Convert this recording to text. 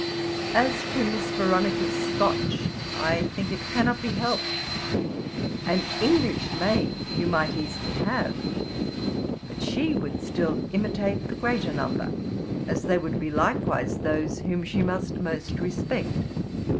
As to Miss Veronica's Scotch, I think it cannot be helped. An English maid you might easily have; but she would still imitate the greater number, as they would be likewise those whom she must most respect.